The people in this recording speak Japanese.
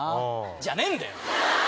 じゃねえんだよ！